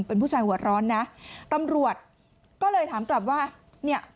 เป็นผู้ชายหัวร้อนนะตำรวจก็เลยถามกลับว่าเนี่ย